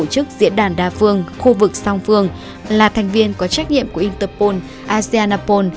các tổ chức diễn đàn đa phương khu vực song phương là thành viên có trách nhiệm của interpol aseanapol